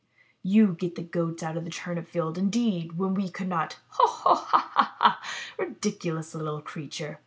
''You get the Goats out of the turnip field, indeed, when we could not. Ho, ho, ho, and hah, hah, hah. Ridiculous little creature."